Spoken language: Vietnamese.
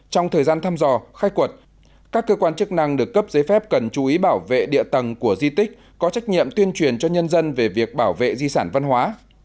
trong thời gian thăm dò khai quật các cơ quan chức năng được cấp giấy phép cần chú ý bảo vệ địa tầng của di tích có trách nhiệm tuyên truyền cho nhân dân về việc bảo vệ di sản văn hóa